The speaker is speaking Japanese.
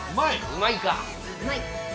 うまいか。